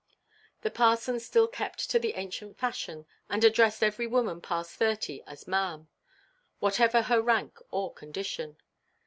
The parson still kept to the ancient fashion, and addressed every woman past thirty as "maʼam," whatever her rank or condition.